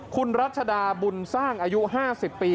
คุณรัชดาบุญสร้างอายุ๕๐ปี